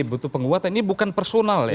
butuh penguatan ini bukan personal ya